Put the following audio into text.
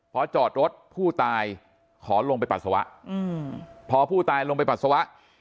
พอจอดรถผู้ตายขอลงไปปัสสาวะพอผู้ตายลงไปปัสสาวะ